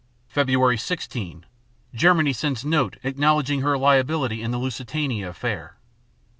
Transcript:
_ _Feb. 16 Germany sends note acknowledging her liability in the "Lusitania" affair.